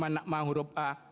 lima belas nakmah huruf a